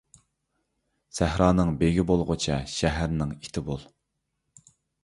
سەھرانىڭ بېگى بولغىچە، شەھەرنىڭ ئىتى بول.